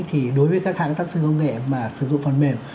thì đối với các hãng tác sư công nghệ mà sử dụng phần mềm